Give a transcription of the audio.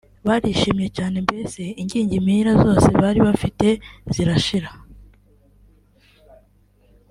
Barishimye cyane mbese ingingimira zose bari bafite zirashira